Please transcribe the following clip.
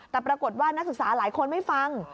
แต่ปรากฏว่านักศึกษาหลายคนไม่ฟัง